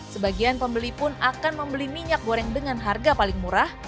sebagian pembeli pun akan membeli minyak goreng dengan harga paling murah